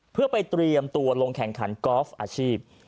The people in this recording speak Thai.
เพื่อไปเตรียมตัวลงแข่งขันกอล์ฟอาชีพ